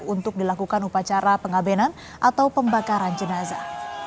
untuk dilakukan upacara pengabenan atau pembakaran jenazah